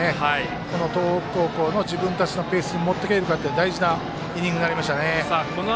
東北高校の自分たちのペースに持っていけるか大事なイニングになりましたね。